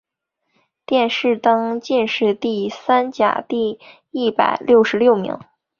殿试登进士第三甲第一百六十六名。